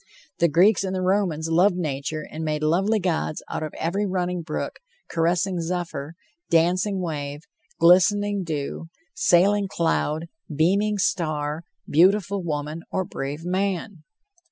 The Greeks and the Romans loved nature and made lovely gods out of. every running brook, caressing zephyr, dancing wave, glistening dew, sailing cloud, beaming star, beautiful woman, or brave man.